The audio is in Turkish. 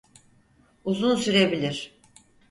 Uzun sürebilir.